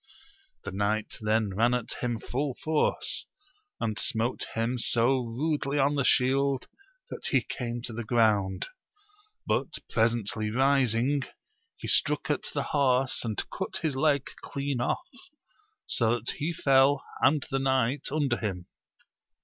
The knight then ran at him full force, and smote him so rudely on the shield that he came to the ground ; but presently rising, he struck at the horse and cut his leg clean off, so that he fell and the knight under him.